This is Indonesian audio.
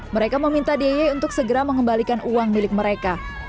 mereka meminta dy untuk segera mengembalikan uang milik mereka